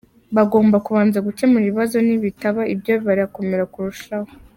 Bagomba kubanza gukemura ikibazo, nibitaba ibyo birakomera kurushaho.